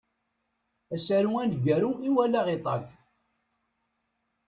Asaru aneggaru i walaɣ iṭag.